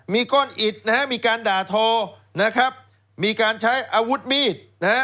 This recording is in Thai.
มีก้อนอิดมีการด่าโทมีการใช้อาวุธมีด